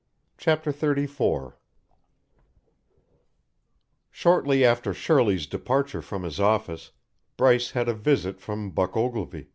CHAPTER XXXIV Shortly after Shirley's departure from his office, Bryce had a visit from Buck Ogilvy.